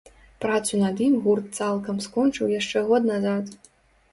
Працу над ім гурт цалкам скончыў яшчэ год назад.